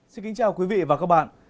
xin kính chào quý vị và các bạn